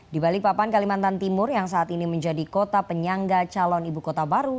di balikpapan kalimantan timur yang saat ini menjadi kota penyangga calon ibu kota baru